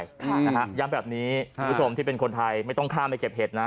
ย้ำแบบนี้คุณผู้ชมที่เป็นคนไทยไม่ต้องข้ามไปเก็บเห็ดนะ